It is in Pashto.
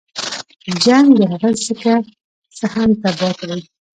جنګ د هغه څه که څه هم تباه کړي.